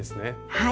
はい。